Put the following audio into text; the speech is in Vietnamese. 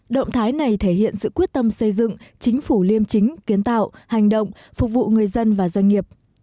động thái này thể hiện sự quyết tâm xây dựng chính phủ liêm chính kiến tạo hành động phục vụ người dân và doanh nghiệp